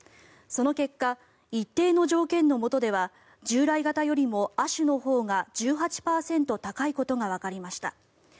その結果、一定の条件のもとでは従来型よりも亜種のほうが１８％高いことがわかりました。